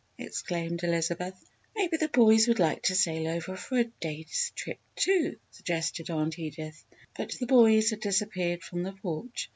exclaimed Elizabeth. "Maybe the boys would like to sail over for a day's trip, too," suggested Aunt Edith, but the boys had disappeared from the porch.